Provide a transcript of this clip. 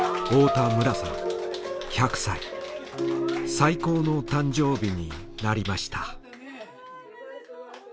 最高の誕生日になりました。